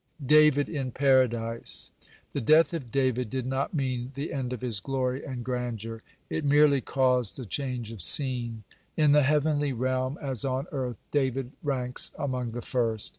(127) DAVID IN PARADISE The death of David did not mean the end of his glory and grandeur. It merely caused a change of scene. In the heavenly realm as on earth David ranks among the first.